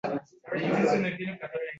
Termizda merganlar bellashding